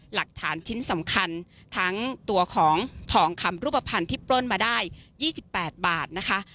หลักฐานชิ้นสำคัญทั้งตัวของทองคำรูปภัณฑ์ที่ปล้นมาได้๒๘บาทนะคะ